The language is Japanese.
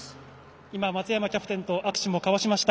今、松山キャプテンと握手を交わしました。